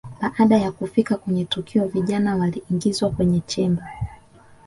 Baada ya kufika kwenye tukio vijana waliingizwa kwenye chemba